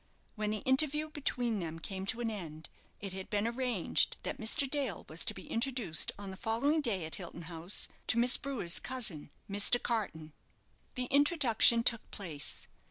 When the interview between them came to an end, it had been arranged that Mr. Dale was to be introduced on the following day at Hilton House to Miss Brewer's cousin, Mr. Carton. The introduction took place.